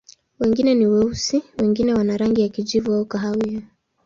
Wengine ni weusi, wengine wana rangi ya kijivu au kahawia.